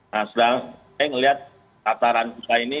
nah sedang saya melihat ataran usaha ini